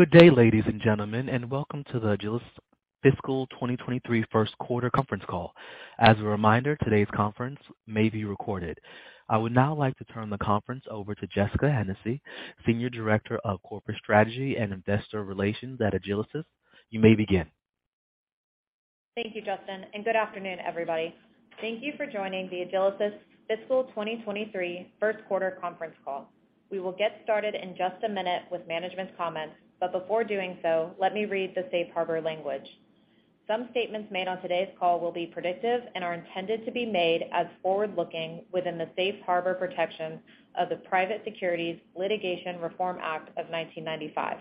Good day, ladies and gentlemen, and welcome to the Agilysys fiscal 2023 first quarter conference call. As a reminder, today's conference may be recorded. I would now like to turn the conference over to Jessica Hennessy, Senior Director of Corporate Strategy and Investor Relations at Agilysys. You may begin. Thank you, Justin, and good afternoon, everybody. Thank you for joining the Agilysys fiscal 2023 first quarter conference call. We will get started in just a minute with management's comments, but before doing so, let me read the safe harbor language. Some statements made on today's call will be predictive and are intended to be made as forward-looking within the safe harbor protections of the Private Securities Litigation Reform Act of 1995,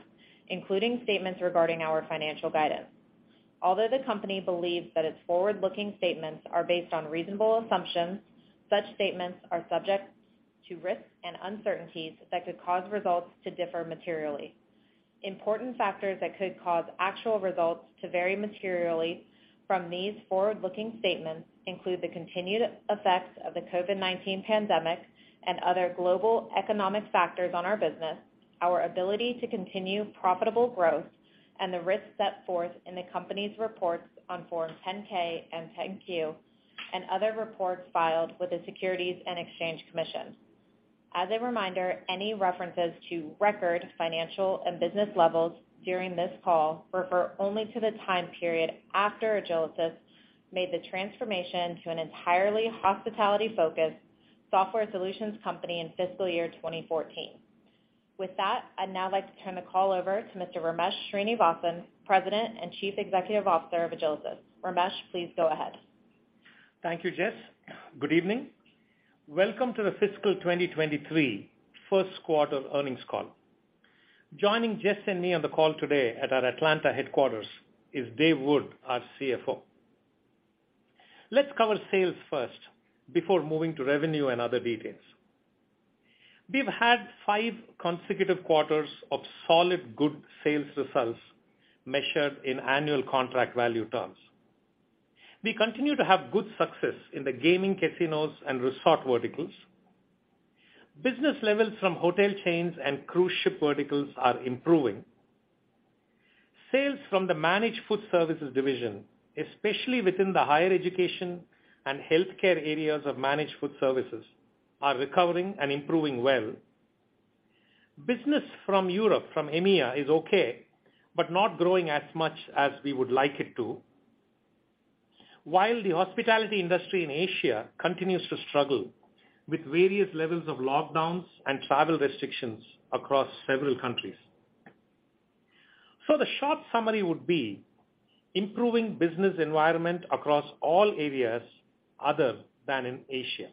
including statements regarding our financial guidance. Although the company believes that its forward-looking statements are based on reasonable assumptions, such statements are subject to risks and uncertainties that could cause results to differ materially. Important factors that could cause actual results to vary materially from these forward-looking statements include the continued effects of the COVID-19 pandemic and other global economic factors on our business, our ability to continue profitable growth, and the risks set forth in the company's reports on Form 10-K and 10-Q and other reports filed with the Securities and Exchange Commission. As a reminder, any references to record financial and business levels during this call refer only to the time period after Agilysys made the transformation to an entirely hospitality-focused software solutions company in fiscal year 2014. With that, I'd now like to turn the call over to Mr. Ramesh Srinivasan, President and Chief Executive Officer of Agilysys. Ramesh, please go ahead. Thank you, Jess. Good evening. Welcome to the fiscal 2023 first quarter earnings call. Joining Jess and me on the call today at our Atlanta headquarters is Dave Wood, our CFO. Let's cover sales first before moving to revenue and other details. We've had five consecutive quarters of solid good sales results measured in annual contract value terms. We continue to have good success in the gaming casinos and resort verticals. Business levels from hotel chains and cruise ship verticals are improving. Sales from the managed food services division, especially within the higher education and healthcare areas of managed food services, are recovering and improving well. Business from Europe, from EMEA, is okay, but not growing as much as we would like it to. While the hospitality industry in Asia continues to struggle with various levels of lockdowns and travel restrictions across several countries. The short summary would be improving business environment across all areas other than in Asia.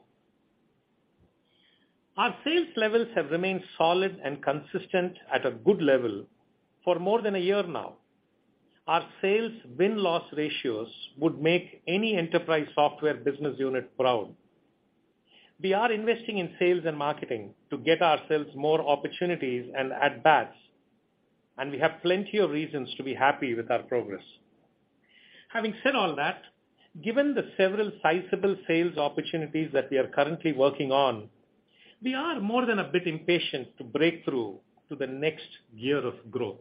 Our sales levels have remained solid and consistent at a good level for more than a year now. Our sales win-loss ratios would make any enterprise software business unit proud. We are investing in sales and marketing to get ourselves more opportunities and at bats, and we have plenty of reasons to be happy with our progress. Having said all that, given the several sizable sales opportunities that we are currently working on, we are more than a bit impatient to break through to the next gear of growth.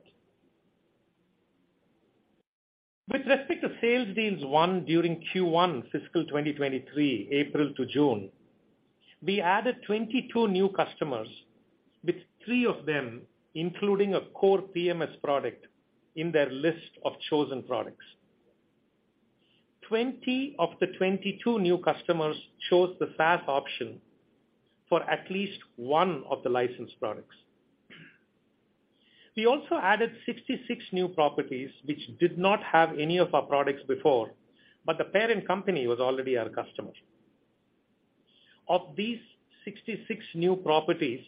With respect to sales deals won during Q1 fiscal 2023, April to June, we added 22 new customers, with three of them including a core PMS product in their list of chosen products. 20 of the 22 new customers chose the SaaS option for at least one of the licensed products. We also added 66 new properties which did not have any of our products before, but the parent company was already our customer. Of these 66 new properties,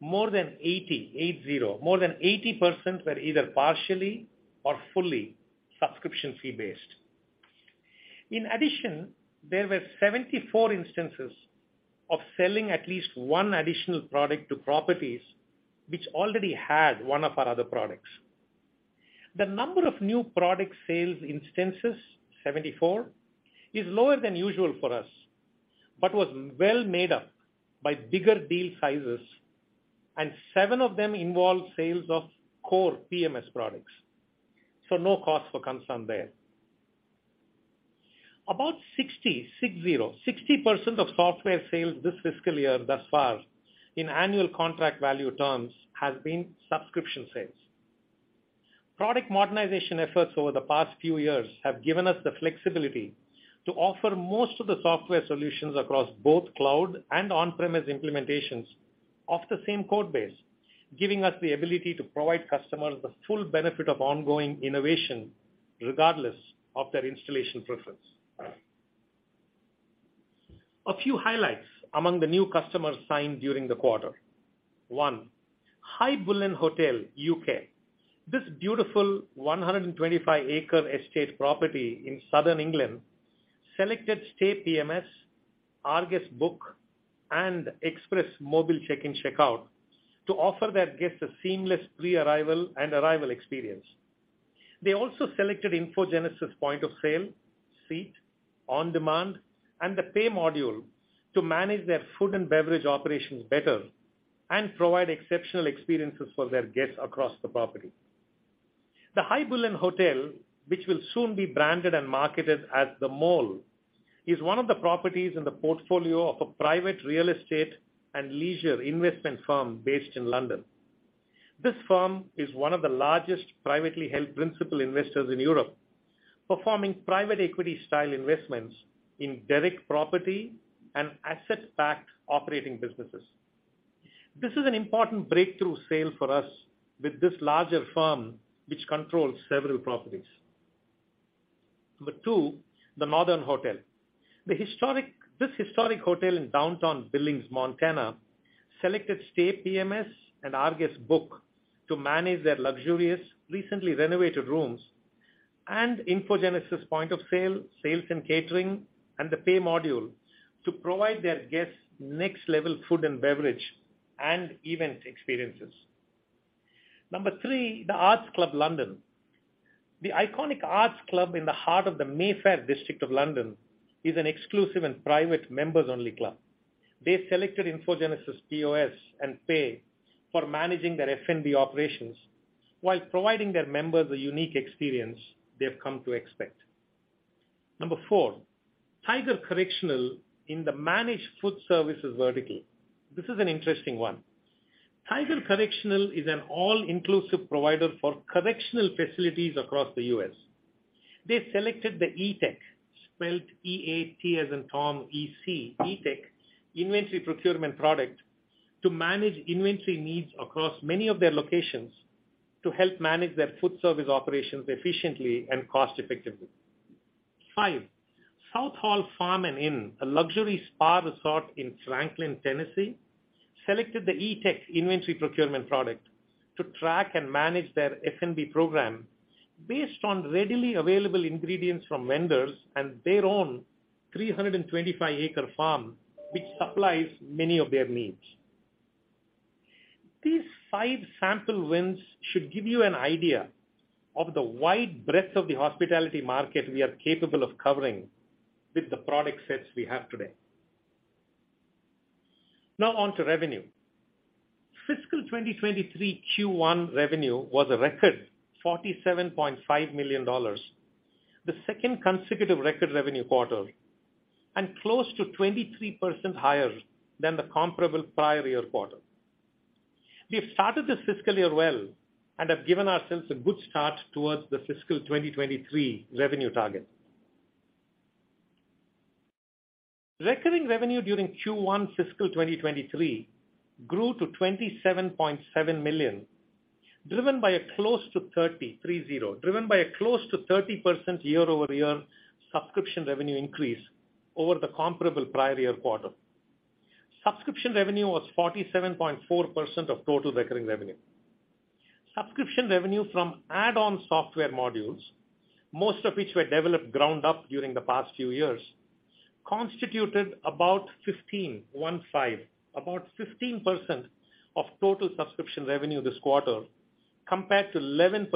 more than 80, more than 80% were either partially or fully subscription fee based. In addition, there were 74 instances of selling at least one additional product to properties which already had one of our other products. The number of new product sales instances, 74, is lower than usual for us, but was well made up by bigger deal sizes, and seven of them involved sales of core PMS products. No cause for concern there. About 60%, 60% of software sales this fiscal year thus far in annual contract value terms has been subscription sales. Product modernization efforts over the past few years have given us the flexibility to offer most of the software solutions across both cloud and on-premise implementations of the same code base, giving us the ability to provide customers the full benefit of ongoing innovation regardless of their installation preference. A few highlights among the new customers signed during the quarter. One, Highbullen Hotel, U.K. This beautiful 125-acre estate property in Southern England selected Stay PMS, rGuest Book, and Express Mobile check-in checkout to offer their guests a seamless pre-arrival and arrival experience. They also selected InfoGenesis point of sale, Seat, OnDemand, and the Pay to manage their food and beverage operations better and provide exceptional experiences for their guests across the property. The Highbullen Hotel, which will soon be branded and marketed as The Mole, is one of the properties in the portfolio of a private real estate and leisure investment firm based in London. This firm is one of the largest privately held principal investors in Europe, performing private equity-style investments in direct property and asset-backed operating businesses. This is an important breakthrough sale for us with this larger firm which controls several properties. Number two, The Northern Hotel. This historic hotel in downtown Billings, Montana, selected Stay PMS and rGuest Book to manage their luxurious, recently renovated rooms and InfoGenesis point of sale, Sales & Catering, and the Pay module to provide their guests next-level food and beverage and event experiences. Number three, The Arts Club, London. The iconic Arts Club in the heart of the Mayfair district of London is an exclusive and private members-only club. They selected InfoGenesis POS and Pay for managing their F&B operations while providing their members a unique experience they've come to expect. Number four, Tiger Correctional in the managed food services vertical. This is an interesting one. Tiger Correctional is an all-inclusive provider for correctional facilities across the U.S. They selected the Eatec, spelled E-A-T-E-C, Eatec, inventory procurement product, to manage inventory needs across many of their locations to help manage their food service operations efficiently and cost-effectively. Five, Southall Farm & Inn, a luxury spa resort in Franklin, Tennessee, selected the Eatec inventory procurement product to track and manage their F&B program based on readily available ingredients from vendors and their own 325-acre farm, which supplies many of their needs. These five sample wins should give you an idea of the wide breadth of the hospitality market we are capable of covering with the product sets we have today. Now on to revenue. Fiscal 2023 Q1 revenue was a record $47.5 million, the second consecutive record revenue quarter, and close to 23% higher than the comparable prior year quarter. We have started this fiscal year well and have given ourselves a good start towards the fiscal 2023 revenue target. Recurring revenue during Q1 fiscal 2023 grew to $27.7 million, driven by a close to 30% year-over-year subscription revenue increase over the comparable prior year quarter. Subscription revenue was 47.4% of total recurring revenue. Subscription revenue from add-on software modules, most of which were developed ground up during the past few years, constituted about 15% of total subscription revenue this quarter, compared to 11%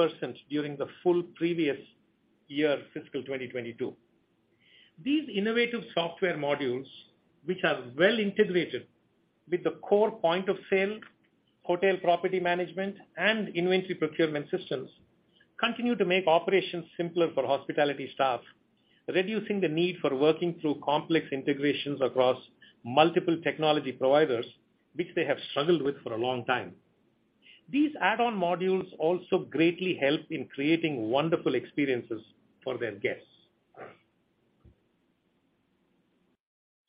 during the full previous year fiscal 2022. These innovative software modules, which are well integrated with the core point of sale, hotel property management, and inventory procurement systems, continue to make operations simpler for hospitality staff, reducing the need for working through complex integrations across multiple technology providers, which they have struggled with for a long time. These add-on modules also greatly help in creating wonderful experiences for their guests.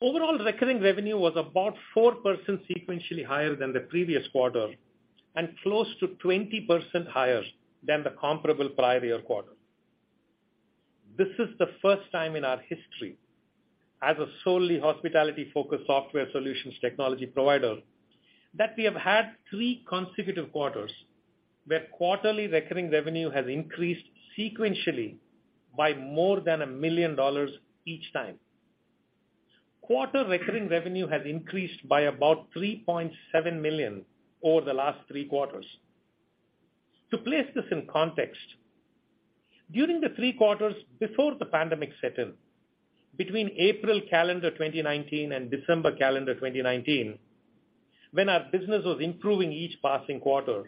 Overall, recurring revenue was about 4% sequentially higher than the previous quarter and close to 20% higher than the comparable prior year quarter. This is the first time in our history as a solely hospitality-focused software solutions technology provider that we have had three consecutive quarters where quarterly recurring revenue has increased sequentially by more than $1 million each time. Quarterly recurring revenue has increased by about $3.7 million over the last three quarters. To place this in context, during the three quarters before the pandemic set in, between April calendar 2019 and December calendar 2019, when our business was improving each passing quarter,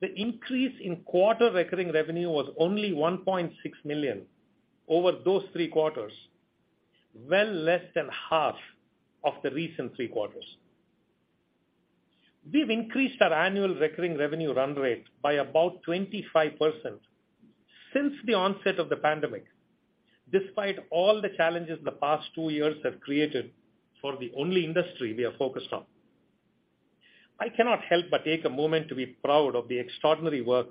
the increase in quarterly recurring revenue was only $1.6 million over those three quarters, well less than half of the recent three quarters. We've increased our annual recurring revenue run rate by about 25% since the onset of the pandemic, despite all the challenges the past two years have created for the only industry we are focused on. I cannot help but take a moment to be proud of the extraordinary work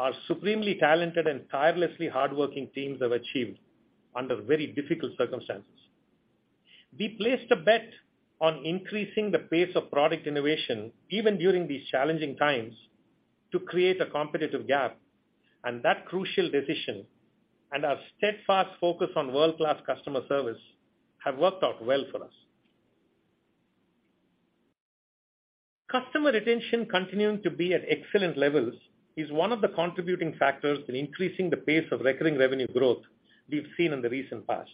our supremely talented and tirelessly hardworking teams have achieved under very difficult circumstances. We placed a bet on increasing the pace of product innovation, even during these challenging times, to create a competitive gap, and that crucial decision and our steadfast focus on world-class customer service have worked out well for us. Customer retention continuing to be at excellent levels is one of the contributing factors in increasing the pace of recurring revenue growth we've seen in the recent past.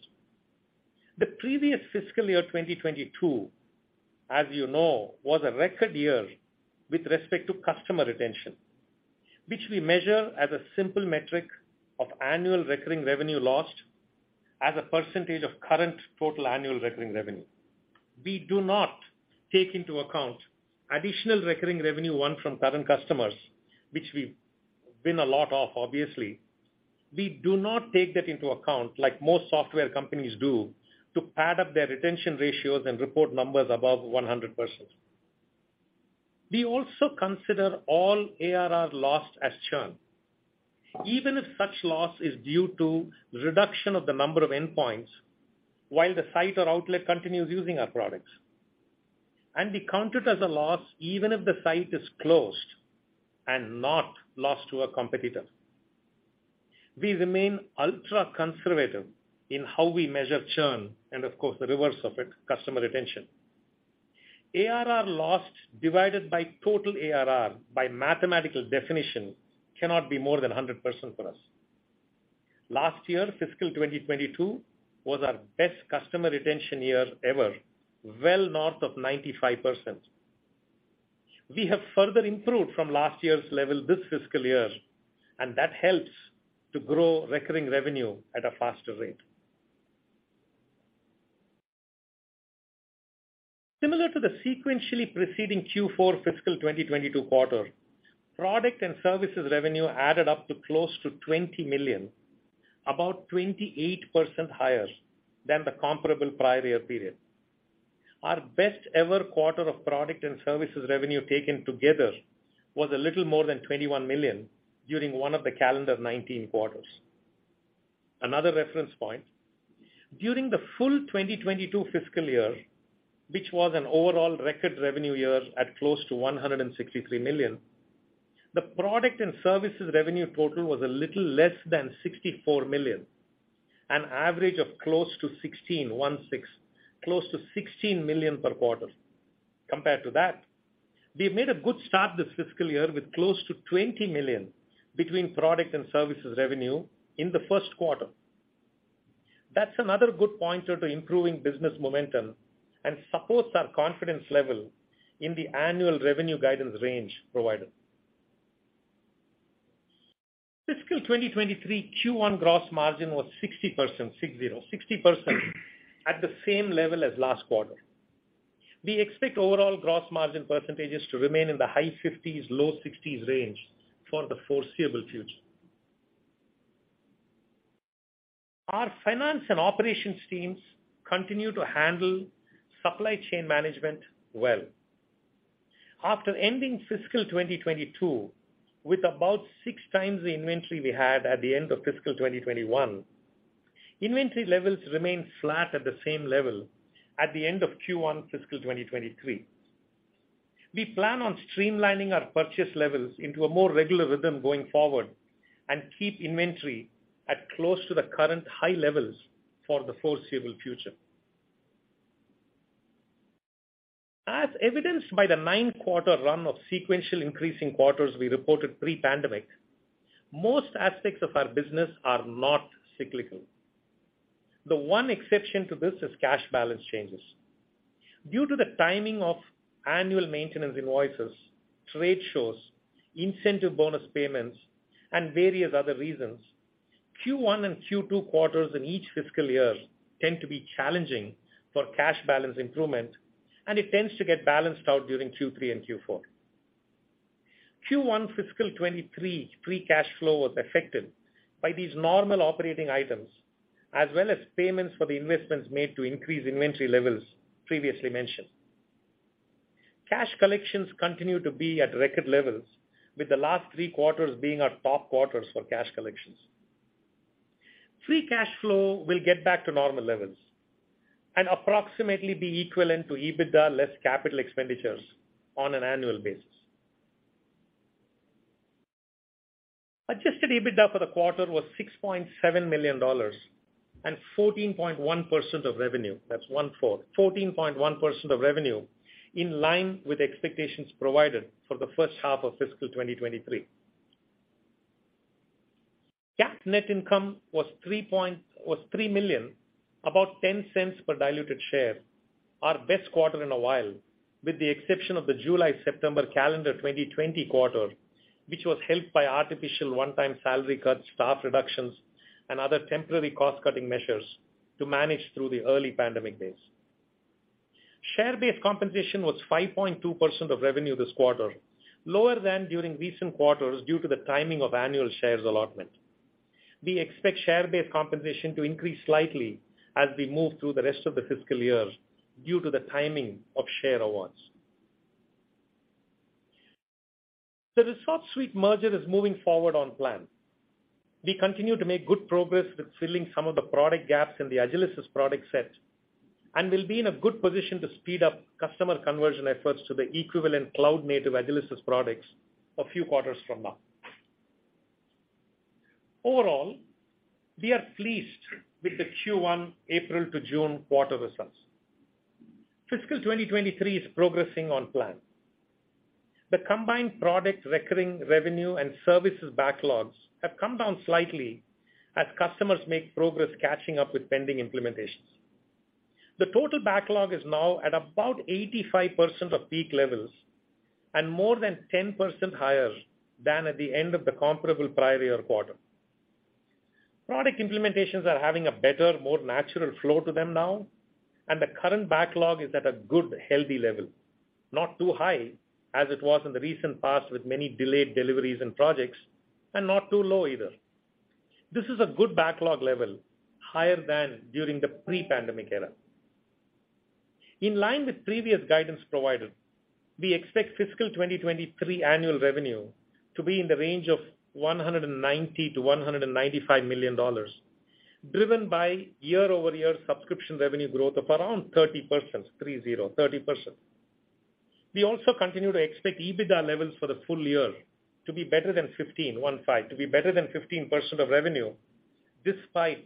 The previous fiscal year, 2022, as you know, was a record year with respect to customer retention, which we measure as a simple metric of annual recurring revenue lost as a percentage of current total annual recurring revenue. We do not take into account additional recurring revenue won from current customers, which we win a lot of obviously. We do not take that into account like most software companies do to add up their retention ratios and report numbers above 100%. We also consider all ARR lost as churn, even if such loss is due to reduction of the number of endpoints while the site or outlet continues using our products. We count it as a loss even if the site is closed and not lost to a competitor. We remain ultra-conservative in how we measure churn and of course the reverse of it, customer retention. ARR lost divided by total ARR by mathematical definition cannot be more than 100% for us. Last year, fiscal 2022 was our best customer retention year ever, well north of 95%. We have further improved from last year's level this fiscal year, and that helps to grow recurring revenue at a faster rate. Similar to the sequentially preceding Q4 fiscal 2022 quarter, product and services revenue added up to close to $20 million, about 28% higher than the comparable prior year period. Our best ever quarter of product and services revenue taken together was a little more than $21 million during one of the calendar 2019 quarters. Another reference point, during the full 2022 fiscal year, which was an overall record revenue year at close to $163 million, the product and services revenue total was a little less than $64 million, an average of close to $16 million per quarter. Compared to that, we've made a good start this fiscal year with close to $20 million between product and services revenue in the first quarter. That's another good pointer to improving business momentum and supports our confidence level in the annual revenue guidance range provided. Fiscal 2023 Q1 gross margin was 60%, 60% at the same level as last quarter. We expect overall gross margin percentages to remain in the high 50s-low 60s range for the foreseeable future. Our finance and operations teams continue to handle supply chain management well. After ending fiscal 2022 with about 6x the inventory we had at the end of fiscal 2021, inventory levels remain flat at the same level at the end of Q1 fiscal 2023. We plan on streamlining our purchase levels into a more regular rhythm going forward and keep inventory at close to the current high levels for the foreseeable future. As evidenced by the nine-quarter run of sequential increasing quarters we reported pre-pandemic, most aspects of our business are not cyclical. The one exception to this is cash balance changes. Due to the timing of annual maintenance invoices, trade shows, incentive bonus payments, and various other reasons, Q1 and Q2 quarters in each fiscal year tend to be challenging for cash balance improvement and it tends to get balanced out during Q3 and Q4. Q1 fiscal 2023 free cash flow was affected by these normal operating items as well as payments for the investments made to increase inventory levels previously mentioned. Cash collections continue to be at record levels, with the last three quarters being our top quarters for cash collections. Free cash flow will get back to normal levels and approximately be equivalent to EBITDA less capital expenditures on an annual basis. Adjusted EBITDA for the quarter was $6.7 million and 14.1% of revenue. That's 14%. 14.1% of revenue in line with expectations provided for the first half of fiscal 2023. GAAP net income was $3 million, about $0.10 per diluted share, our best quarter in a while, with the exception of the July, September calendar 2020 quarter, which was helped by artificial one-time salary cuts, staff reductions, and other temporary cost-cutting measures to manage through the early pandemic days. Share-based compensation was 5.2% of revenue this quarter, lower than during recent quarters due to the timing of annual shares allotment. We expect share-based compensation to increase slightly as we move through the rest of the fiscal year due to the timing of share awards. The ResortSuite merger is moving forward on plan. We continue to make good progress with filling some of the product gaps in the Agilysys product set and will be in a good position to speed up customer conversion efforts to the equivalent cloud-native Agilysys products a few quarters from now. Overall, we are pleased with the Q1 April to June quarter results. Fiscal 2023 is progressing on plan. The combined product recurring revenue and services backlogs have come down slightly as customers make progress catching up with pending implementations. The total backlog is now at about 85% of peak levels and more than 10% higher than at the end of the comparable prior year quarter. Product implementations are having a better, more natural flow to them now, and the current backlog is at a good, healthy level, not too high as it was in the recent past with many delayed deliveries and projects, and not too low either. This is a good backlog level, higher than during the pre-pandemic era. In line with previous guidance provided, we expect fiscal 2023 annual revenue to be in the range of $190 million-$195 million, driven by year-over-year subscription revenue growth of around 30%. We also continue to expect EBITDA levels for the full year to be better than 15% of revenue, despite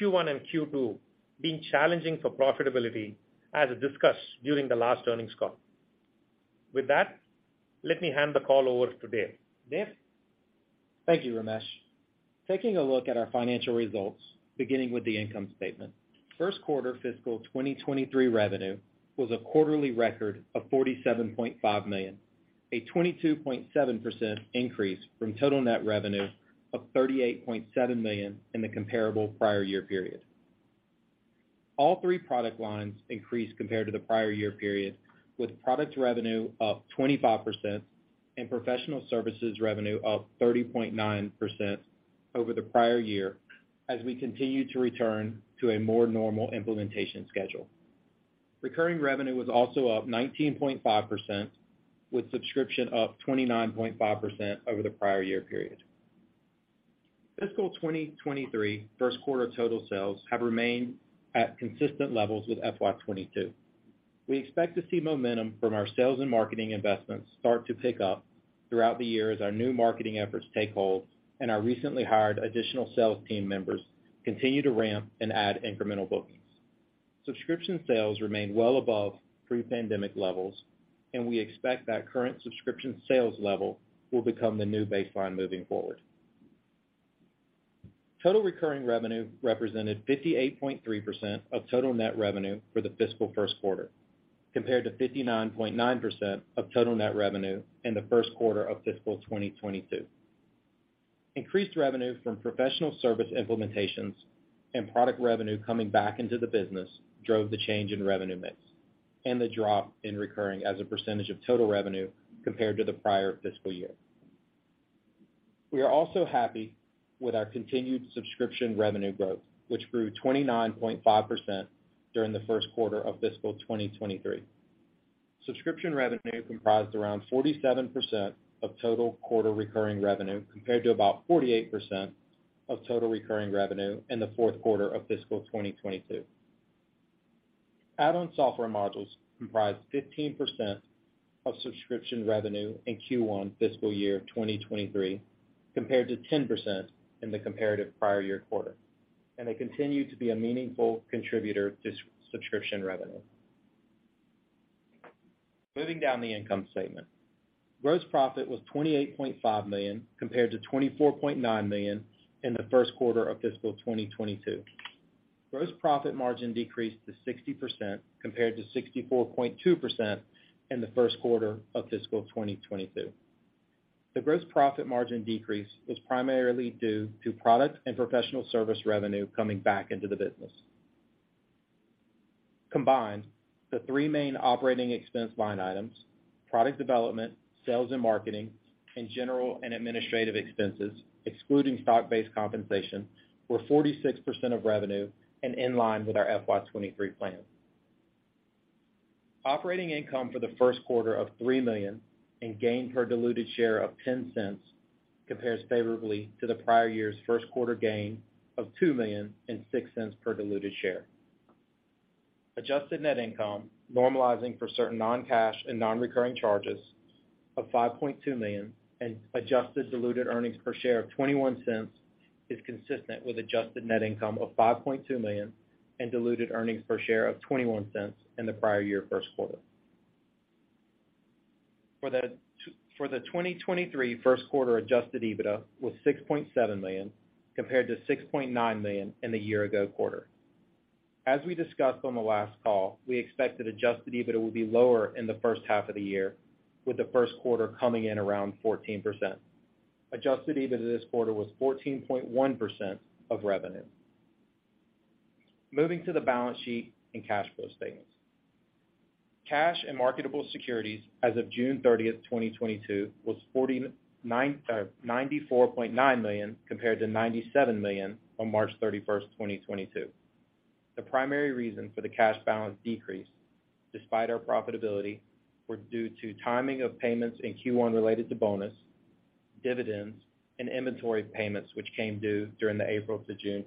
Q1 and Q2 being challenging for profitability as discussed during the last earnings call. With that, let me hand the call over to Dave. Dave? Thank you, Ramesh. Taking a look at our financial results, beginning with the income statement. First quarter fiscal 2023 revenue was a quarterly record of $47.5 million, a 22.7% increase from total net revenue of $38.7 million in the comparable prior year period. All three product lines increased compared to the prior year period, with product revenue up 25% and professional services revenue up 30.9% over the prior year as we continue to return to a more normal implementation schedule. Recurring revenue was also up 19.5%, with subscription up 29.5% over the prior year period. Fiscal 2023 first quarter total sales have remained at consistent levels with FY 2022. We expect to see momentum from our sales and marketing investments start to pick up throughout the year as our new marketing efforts take hold and our recently hired additional sales team members continue to ramp and add incremental bookings. Subscription sales remain well above pre-pandemic levels, and we expect that current subscription sales level will become the new baseline moving forward. Total recurring revenue represented 58.3% of total net revenue for the fiscal first quarter, compared to 59.9% of total net revenue in the first quarter of fiscal 2022. Increased revenue from professional service implementations and product revenue coming back into the business drove the change in revenue mix and the drop in recurring as a percentage of total revenue compared to the prior fiscal year. We are also happy with our continued subscription revenue growth, which grew 29.5% during the first quarter of fiscal 2023. Subscription revenue comprised around 47% of total quarterly recurring revenue, compared to about 48% of total recurring revenue in the fourth quarter of fiscal 2022. Add-on software modules comprised 15% of subscription revenue in Q1 fiscal year 2023, compared to 10% in the comparative prior year quarter, and they continue to be a meaningful contributor to subscription revenue. Moving down the income statement. Gross profit was $28.5 million, compared to $24.9 million in the first quarter of fiscal 2022. Gross profit margin decreased to 60%, compared to 64.2% in the first quarter of fiscal 2022. The gross profit margin decrease was primarily due to product and professional service revenue coming back into the business. Combined, the three main operating expense line items, product development, sales and marketing, and general and administrative expenses, excluding stock-based compensation, were 46% of revenue and in line with our FY 2023 plan. Operating income for the first quarter of $3 million and gain per diluted share of $0.10 compares favorably to the prior year's first quarter gain of $2 million and $0.06 per diluted share. Adjusted net income normalizing for certain non-cash and non-recurring charges of $5.2 million and adjusted diluted earnings per share of $0.21 is consistent with adjusted net income of $5.2 million and diluted earnings per share of $0.21 in the prior year first quarter. For the 2023 first quarter adjusted EBITDA was $6.7 million, compared to $6.9 million in the year ago quarter. As we discussed on the last call, we expected adjusted EBITDA would be lower in the first half of the year, with the first quarter coming in around 14%. Adjusted EBITDA this quarter was 14.1% of revenue. Moving to the balance sheet and cash flow statements. Cash and marketable securities as of June 30th, 2022, was $94.9 million compared to $97 million on March 31st, 2022. The primary reason for the cash balance decrease, despite our profitability, were due to timing of payments in Q1 related to bonus, dividends, and inventory payments, which came due during the April to June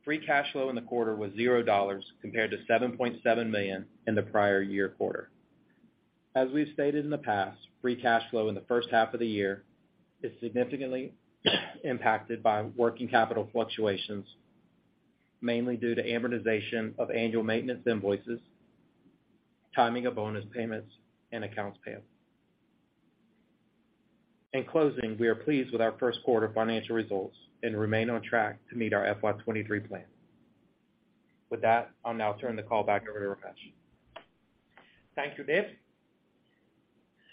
time frame. Free cash flow in the quarter was $0 compared to $7.7 million in the prior year quarter. As we've stated in the past, free cash flow in the first half of the year is significantly impacted by working capital fluctuations, mainly due to amortization of annual maintenance invoices, timing of bonus payments, and accounts payable. In closing, we are pleased with our first quarter financial results and remain on track to meet our FY 2023 plan. With that, I'll now turn the call back over to Ramesh. Thank you, Dave.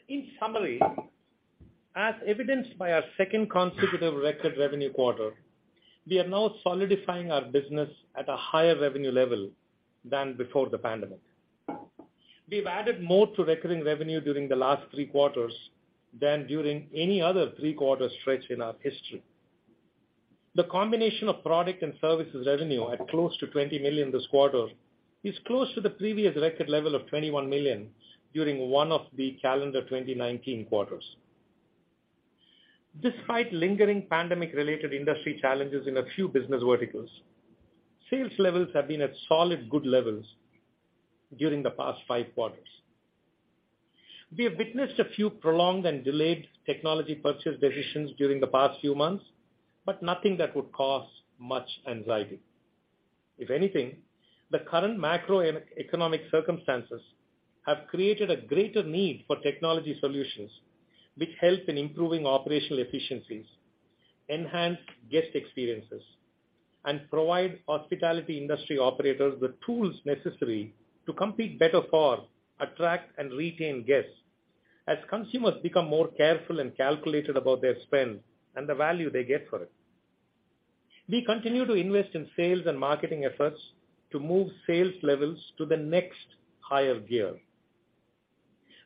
In summary, as evidenced by our second consecutive record revenue quarter, we are now solidifying our business at a higher revenue level than before the pandemic. We've added more to recurring revenue during the last three quarters than during any other three-quarter stretch in our history. The combination of product and services revenue at close to $20 million this quarter is close to the previous record level of $21 million during one of the calendar 2019 quarters. Despite lingering pandemic-related industry challenges in a few business verticals, sales levels have been at solid good levels during the past five quarters. We have witnessed a few prolonged and delayed technology purchase decisions during the past few months, but nothing that would cause much anxiety. If anything, the current macroeconomic circumstances have created a greater need for technology solutions, which help in improving operational efficiencies, enhance guest experiences, and provide hospitality industry operators with tools necessary to compete better for, attract, and retain guests as consumers become more careful and calculated about their spend and the value they get for it. We continue to invest in sales and marketing efforts to move sales levels to the next higher gear.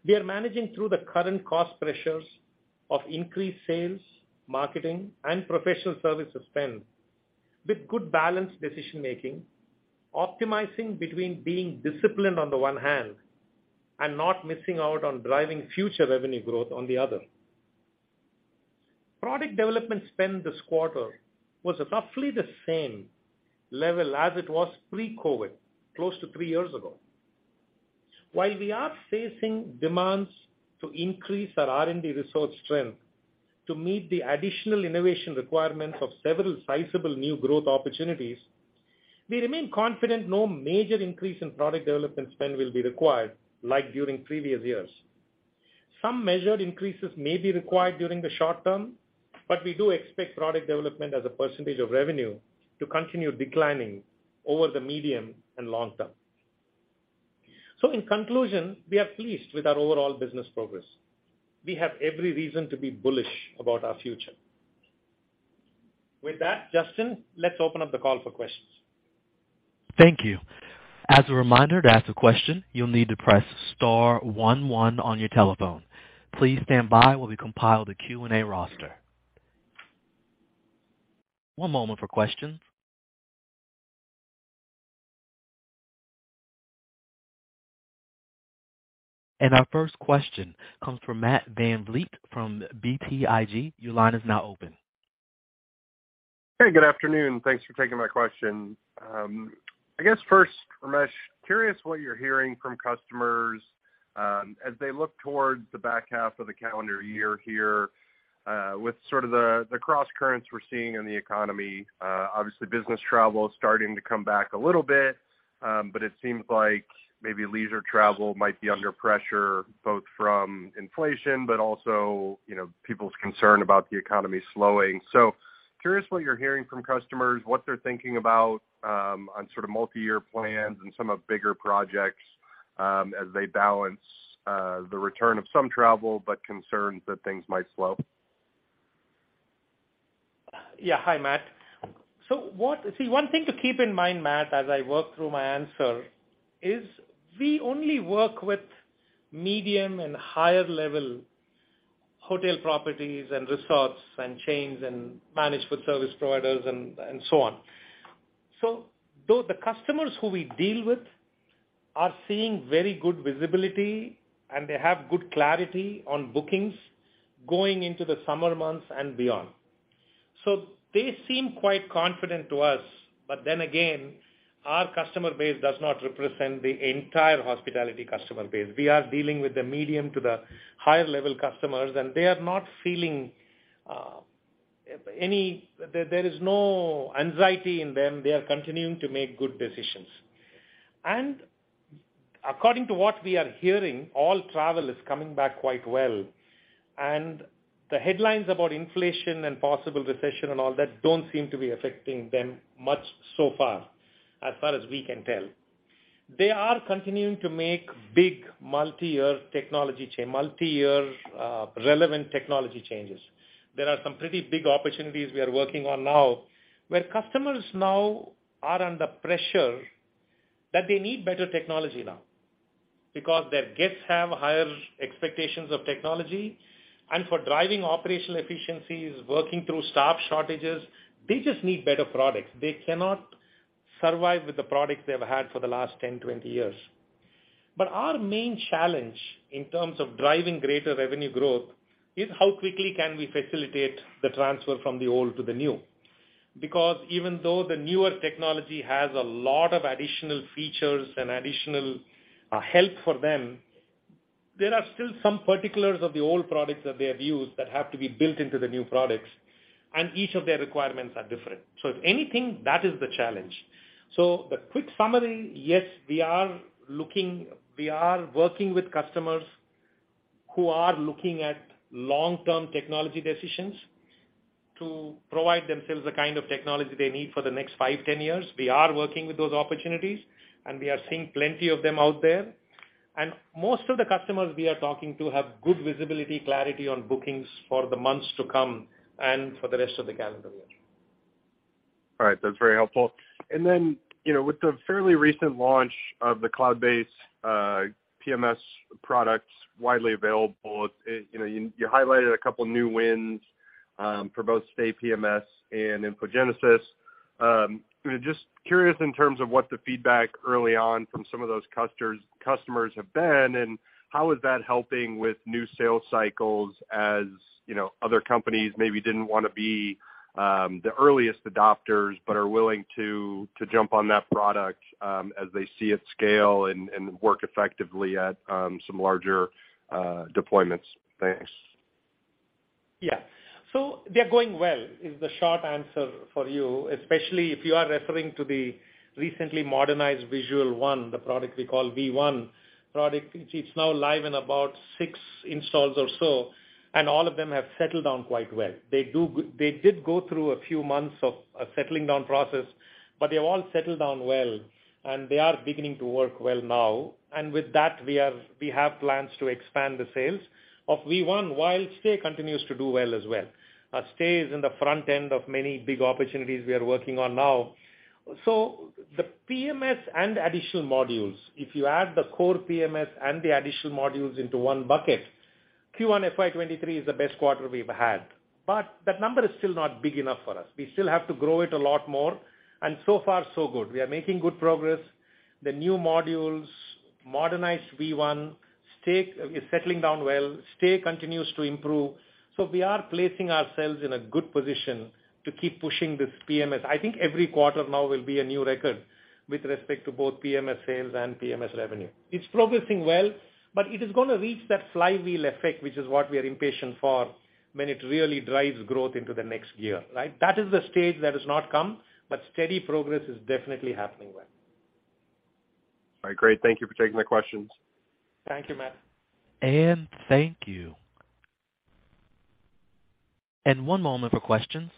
We are managing through the current cost pressures of increased sales, marketing, and professional services spend with good balanced decision-making, optimizing between being disciplined on the one hand and not missing out on driving future revenue growth on the other. Product development spend this quarter was roughly the same level as it was pre-COVID, close to three years ago. While we are facing demands to increase our R&D resource strength to meet the additional innovation requirements of several sizable new growth opportunities, we remain confident no major increase in product development spend will be required like during previous years. Some measured increases may be required during the short term, but we do expect product development as a percentage of revenue to continue declining over the medium and long term. In conclusion, we are pleased with our overall business progress. We have every reason to be bullish about our future. With that, Justin, let's open up the call for questions. Thank you. As a reminder, to ask a question, you'll need to press star one one on your telephone. Please stand by while we compile the Q&A roster. One moment for questions. Our first question comes from Matt VanVliet from BTIG. Your line is now open. Hey, good afternoon. Thanks for taking my question. I guess first, Ramesh, curious what you're hearing from customers, as they look towards the back half of the calendar year here, with sort of the crosscurrents we're seeing in the economy. Obviously, business travel is starting to come back a little bit, but it seems like maybe leisure travel might be under pressure, both from inflation, but also, you know, people's concern about the economy slowing. Curious what you're hearing from customers, what they're thinking about, on sort of multi-year plans and some of bigger projects, as they balance, the return of some travel, but concerns that things might slow. Yeah. Hi, Matt. See, one thing to keep in mind, Matt, as I work through my answer is we only work with medium and higher level hotel properties and resorts and chains and managed food service providers and so on. Though the customers who we deal with are seeing very good visibility and they have good clarity on bookings going into the summer months and beyond. They seem quite confident to us, but then again, our customer base does not represent the entire hospitality customer base. We are dealing with the medium to the higher level customers, and they are not feeling. There is no anxiety in them. They are continuing to make good decisions. According to what we are hearing, all travel is coming back quite well. The headlines about inflation and possible recession and all that don't seem to be affecting them much so far, as far as we can tell. They are continuing to make big multi-year relevant technology changes. There are some pretty big opportunities we are working on now, where customers now are under pressure that they need better technology now because their guests have higher expectations of technology. For driving operational efficiencies, working through staff shortages, they just need better products. They cannot survive with the products they've had for the last 10, 20 years. Our main challenge in terms of driving greater revenue growth is how quickly can we facilitate the transfer from the old to the new. Because even though the newer technology has a lot of additional features and additional help for them, there are still some particulars of the old products that they have used that have to be built into the new products, and each of their requirements are different. If anything, that is the challenge. The quick summary, yes, we are working with customers who are looking at long-term technology decisions to provide themselves the kind of technology they need for the next five, 10 years. We are working with those opportunities, and we are seeing plenty of them out there. Most of the customers we are talking to have good visibility, clarity on bookings for the months to come and for the rest of the calendar year. All right. That's very helpful. With the fairly recent launch of the cloud-based PMS products widely available, you know, you highlighted a couple of new wins for both Stay PMS and InfoGenesis. Just curious in terms of what the feedback early on from some of those customers has been, and how is that helping with new sales cycles as, you know, other companies maybe didn't want to be the earliest adopters, but are willing to jump on that product as they see it scale and work effectively at some larger deployments. Thanks. Yeah. They're going well, is the short answer for you, especially if you are referring to the recently modernized Visual One, the product we call V1 product. It's now live in about six installs or so, and all of them have settled down quite well. They did go through a few months of a settling down process, but they all settled down well, and they are beginning to work well now. With that, we have plans to expand the sales of V1 while Stay continues to do well as well. Stay is in the front end of many big opportunities we are working on now. The PMS and additional modules, if you add the core PMS and the additional modules into one bucket, Q1 FY 2023 is the best quarter we've had. That number is still not big enough for us. We still have to grow it a lot more, and so far so good. We are making good progress. The new modules, modernized V1, Stay is settling down well. Stay continues to improve. We are placing ourselves in a good position to keep pushing this PMS. I think every quarter now will be a new record with respect to both PMS sales and PMS revenue. It's progressing well, but it is going to reach that flywheel effect, which is what we are impatient for when it really drives growth into the next year, right? That is the stage that has not come, but steady progress is definitely happening well. All right, great. Thank you for taking my questions. Thank you, Matt. Thank you. One moment for questions.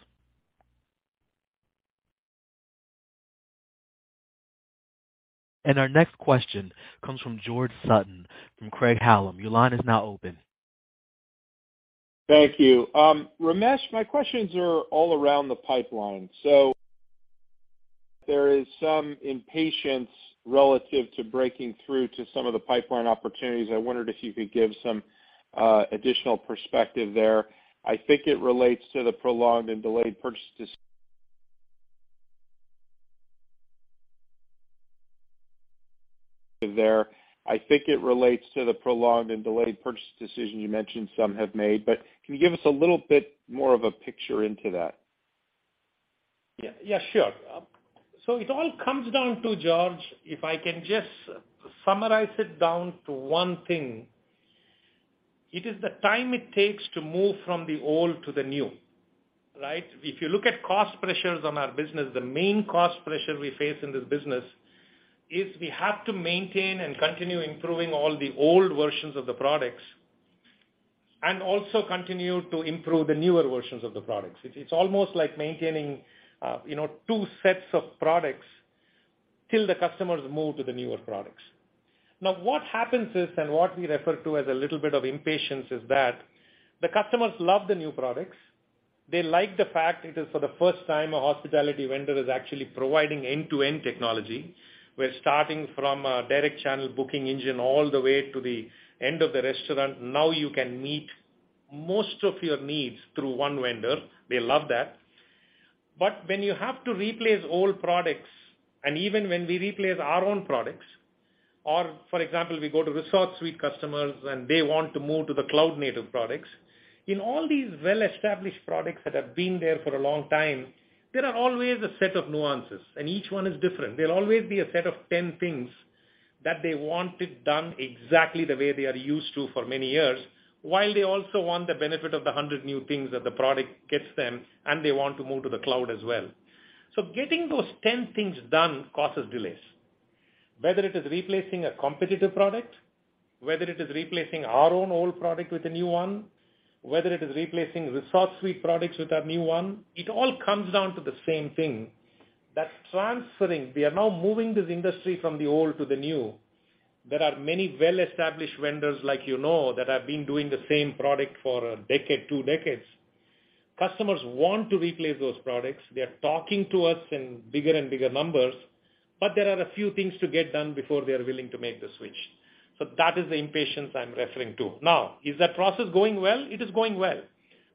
Our next question comes from George Sutton from Craig-Hallum. Your line is now open. Thank you. Ramesh, my questions are all around the pipeline. There is some impatience relative to breaking through to some of the pipeline opportunities. I wondered if you could give some additional perspective there. I think it relates to the prolonged and delayed purchase decision you mentioned some have made, but can you give us a little bit more of a picture into that? Yeah, sure. It all comes down to, George, if I can just summarize it down to one thing, it is the time it takes to move from the old to the new, right? If you look at cost pressures on our business, the main cost pressure we face in this business is we have to maintain and continue improving all the old versions of the products and also continue to improve the newer versions of the products. It's almost like maintaining, you know, two sets of products till the customers move to the newer products. Now, what happens is, and what we refer to as a little bit of impatience, is that the customers love the new products. They like the fact it is for the first time a hospitality vendor is actually providing end-to-end technology. We're starting from a direct channel booking engine all the way to the end of the restaurant. You can meet most of your needs through one vendor. They love that. When you have to replace old products, and even when we replace our own products, or for example, we go to ResortSuite customers and they want to move to the cloud-native products, in all these well-established products that have been there for a long time, there are always a set of nuances, and each one is different. There'll always be a set of 10 things that they wanted done exactly the way they are used to for many years, while they also want the benefit of the 100 new things that the product gets them and they want to move to the cloud as well. Getting those 10 things done causes delays. Whether it is replacing a competitive product, whether it is replacing our own old product with a new one, whether it is replacing ResortSuite products with a new one, it all comes down to the same thing. That's transferring. We are now moving this industry from the old to the new. There are many well-established vendors like you know, that have been doing the same product for a decade, two decades. Customers want to replace those products. They are talking to us in bigger and bigger numbers, but there are a few things to get done before they are willing to make the switch. So that is the impatience I'm referring to. Now, is that process going well? It is going well.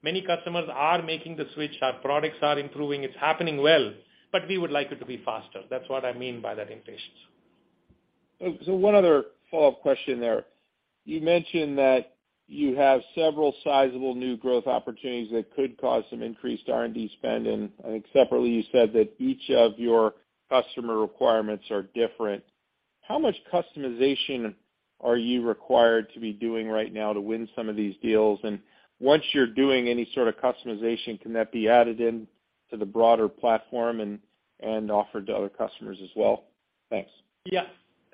Many customers are making the switch. Our products are improving. It's happening well, but we would like it to be faster. That's what I mean by that impatience. One other follow-up question there. You mentioned that you have several sizable new growth opportunities that could cause some increased R&D spend, and I think separately, you said that each of your customer requirements are different. How much customization are you required to be doing right now to win some of these deals? And once you're doing any sort of customization, can that be added in to the broader platform and offered to other customers as well? Thanks. Yeah.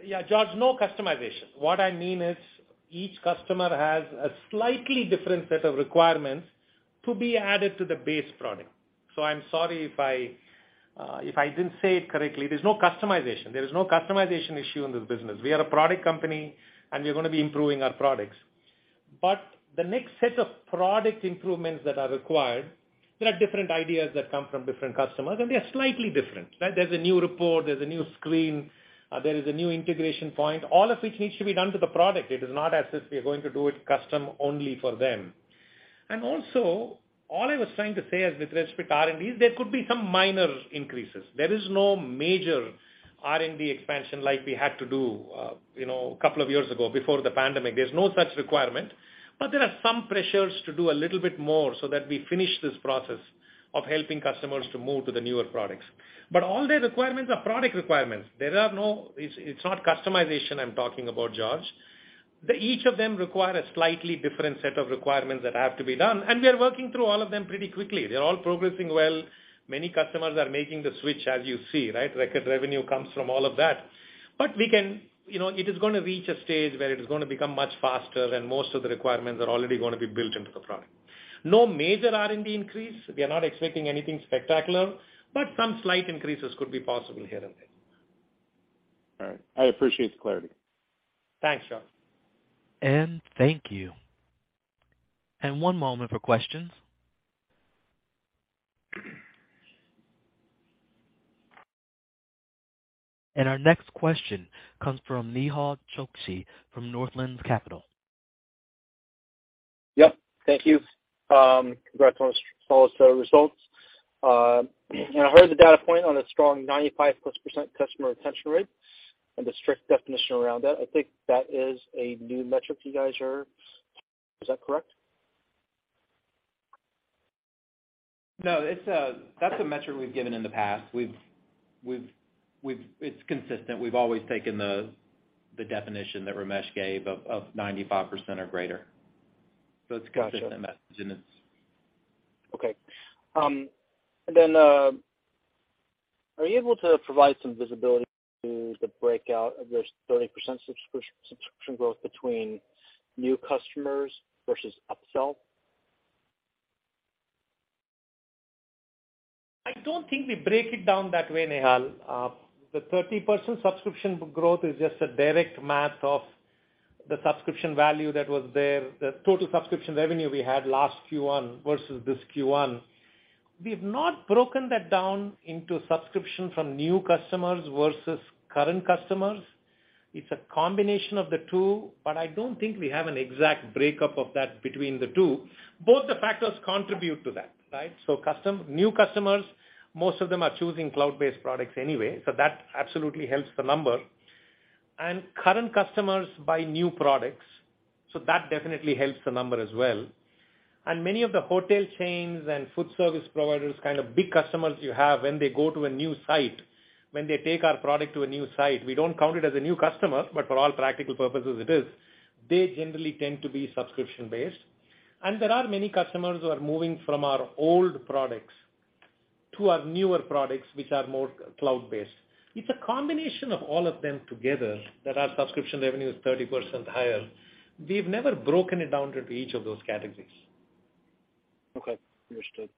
Yeah, George, no customization. What I mean is each customer has a slightly different set of requirements to be added to the base product. I'm sorry if I didn't say it correctly, there's no customization. There is no customization issue in this business. We are a product company, and we're gonna be improving our products. The next set of product improvements that are required, there are different ideas that come from different customers, and they are slightly different, right? There's a new report, there's a new screen, there is a new integration point, all of which needs to be done to the product. It is not as if we are going to do it custom only for them. Also, all I was trying to say is with respect to R&D, is there could be some minor increases. There is no major R&D expansion like we had to do, you know, a couple of years ago before the pandemic. There's no such requirement. There are some pressures to do a little bit more so that we finish this process of helping customers to move to the newer products. All their requirements are product requirements. There are no. It's not customization I'm talking about, George. Each of them require a slightly different set of requirements that have to be done, and we are working through all of them pretty quickly. They're all progressing well. Many customers are making the switch, as you see, right? Record revenue comes from all of that. We can. You know, it is gonna reach a stage where it is gonna become much faster, and most of the requirements are already gonna be built into the product. No major R&D increase. We are not expecting anything spectacular, but some slight increases could be possible here and there. All right. I appreciate the clarity. Thanks, George. Thank you. One moment for questions. Our next question comes from Nehal Chokshi from Northland Capital. Yep. Thank you. Congrats on the results. I heard the data point on a strong 95%+ customer retention rate and the strict definition around that. I think that is a new metric you guys are. Is that correct? No, that's a metric we've given in the past. It's consistent. We've always taken the definition that Ramesh gave of 95% or greater. Gotcha. It's consistent message, and it's. Okay, are you able to provide some visibility to the breakout of this 30% subscription growth between new customers versus upsell? I don't think we break it down that way, Nehal. The 30% subscription growth is just a direct math of the subscription value that was there, the total subscription revenue we had last Q1 versus this Q1. We've not broken that down into subscription from new customers versus current customers. It's a combination of the two, but I don't think we have an exact breakup of that between the two. Both the factors contribute to that, right? New customers, most of them are choosing cloud-based products anyway, so that absolutely helps the number. Current customers buy new products, so that definitely helps the number as well. Many of the hotel chains and food service providers, kind of big customers you have, when they go to a new site, when they take our product to a new site, we don't count it as a new customer, but for all practical purposes, it is. They generally tend to be subscription-based. There are many customers who are moving from our old products to our newer products, which are more cloud-based. It's a combination of all of them together that our subscription revenue is 30% higher. We've never broken it down into each of those categories. Okay. Understood.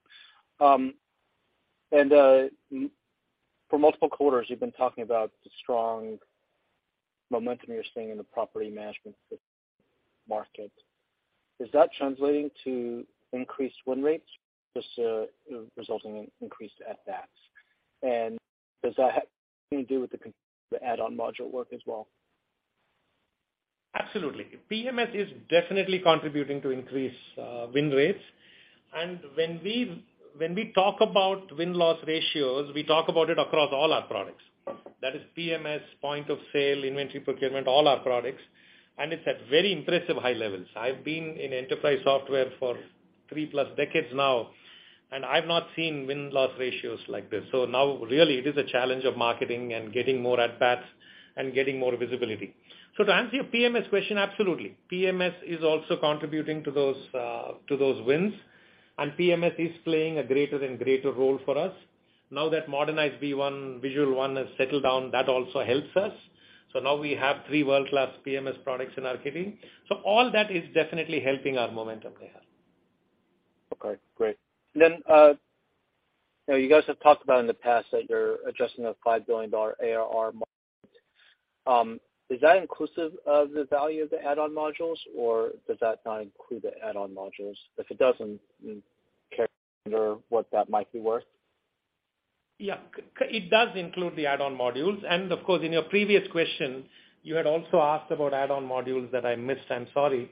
For multiple quarters, you've been talking about the strong momentum you're seeing in the property management market. Is that translating to increased win rates? This resulting in increased FX. Does that have anything to do with the add-on module work as well? Absolutely. PMS is definitely contributing to increased win rates. When we talk about win-loss ratios, we talk about it across all our products. That is PMS, point of sale, inventory procurement, all our products, and it's at very impressive high levels. I've been in enterprise software for three-plus decades now, and I've not seen win-loss ratios like this. Now really it is a challenge of marketing and getting more ad packs and getting more visibility. To answer your PMS question, absolutely. PMS is also contributing to those wins, and PMS is playing a greater and greater role for us. Now that modernized V1, Visual One, has settled down, that also helps us. Now we have three world-class PMS products in our kitty. All that is definitely helping our momentum, Nehal. Okay, great. You know, you guys have talked about in the past that you're adjusting the $5 billion ARR market. Is that inclusive of the value of the add-on modules, or does that not include the add-on modules? If it doesn't, can you share what that might be worth? Yeah. It does include the add-on modules. Of course, in your previous question, you had also asked about add-on modules that I missed. I'm sorry.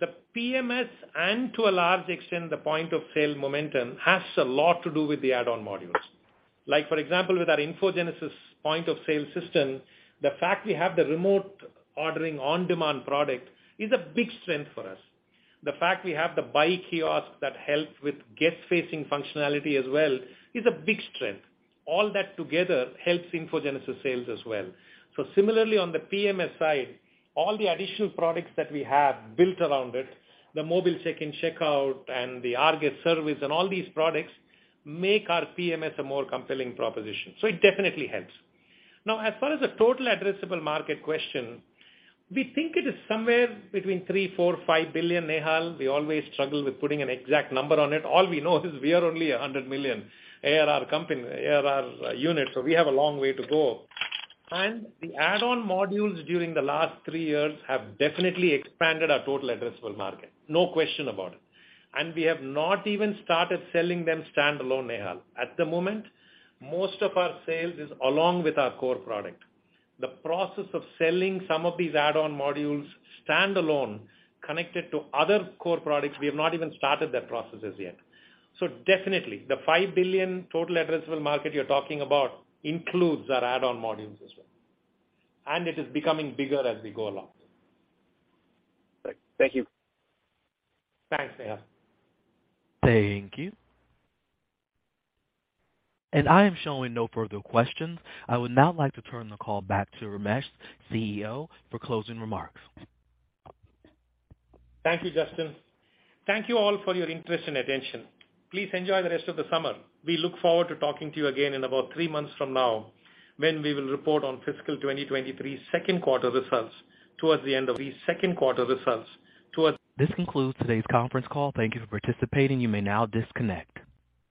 The PMS and to a large extent, the point of sale momentum has a lot to do with the add-on modules. Like, for example, with our InfoGenesis point of sale system, the fact we have the remote ordering OnDemand product is a big strength for us. The fact we have the Buy Kiosk that helps with guest-facing functionality as well is a big strength. All that together helps InfoGenesis sales as well. Similarly on the PMS side, all the additional products that we have built around it, the mobile check-in/check-out and the rGuest service and all these products make our PMS a more compelling proposition. It definitely helps. Now, as far as the total addressable market question, we think it is somewhere between $3 billion, $4, billion, $5 billion, Nehal. We always struggle with putting an exact number on it. All we know is we are only a $100 million ARR company, ARR unit, so we have a long way to go. The add-on modules during the last three years have definitely expanded our total addressable market. No question about it. We have not even started selling them standalone, Nehal. At the moment, most of our sales is along with our core product. The process of selling some of these add-on modules standalone connected to other core products, we have not even started that processes yet. Definitely the $5 billion total addressable market you're talking about includes our add-on modules as well. It is becoming bigger as we go along. Thank you. Thanks, Nehal. Thank you. I am showing no further questions. I would now like to turn the call back to Ramesh, CEO, for closing remarks. Thank you, Justin. Thank you all for your interest and attention. Please enjoy the rest of the summer. We look forward to talking to you again in about three months from now when we will report on fiscal 2023 second quarter results. This concludes today's conference call. Thank you for participating. You may now disconnect.